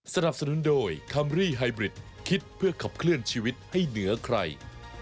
สนับสนุนโดยคัมรี่ไฮบริดคิดเพื่อขับเคลื่อนชีวิตให้เหนือใคร